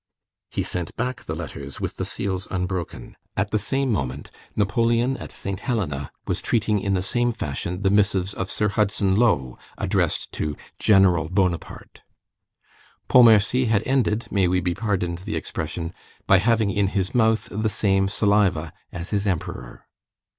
_ He sent back the letters with the seals unbroken. At the same moment, Napoleon at Saint Helena was treating in the same fashion the missives of Sir Hudson Lowe addressed to General Bonaparte. Pontmercy had ended, may we be pardoned the expression, by having in his mouth the same saliva as his Emperor.